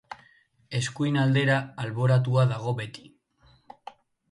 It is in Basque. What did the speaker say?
Eskuin aldera alboratua dago beti.